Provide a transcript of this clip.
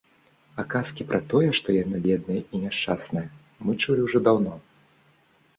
А казкі пра тое, што яны бедныя і няшчасныя, мы чулі ўжо даўно.